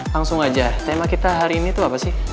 langsung aja tema kita hari ini tuh apa sih